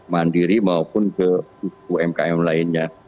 mandiri maupun ke umkm lainnya